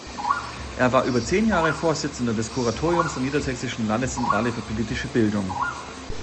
Er war über zehn Jahre Vorsitzender des Kuratoriums der Niedersächsischen Landeszentrale für politische Bildung.